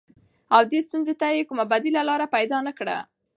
او دې ستونزې ته يې کومه بديله لاره پيدا نه کړه.